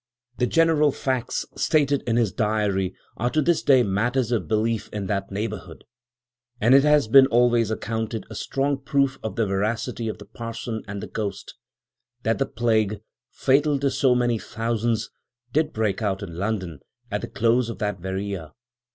The general facts stated in his diary are to this day matters of belief in that neighbourhood; and it has been always accounted a strong proof of the veracity of the Parson and the Ghost, that the plague, fatal to so many thousands, did break out in London at the close of that very year.